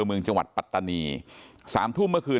เมืองจังหวัดปัตตานีสามทุ่มเมื่อคืน